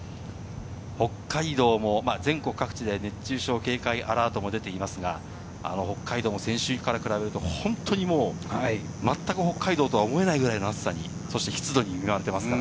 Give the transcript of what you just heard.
北海道も全国各地で熱中症警戒アラートが出ていますが、北海道も先週から比べると本当にまったく北海道とは思えないくらいの暑さと湿度に見舞われています。